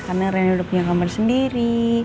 karena randy udah punya kamar sendiri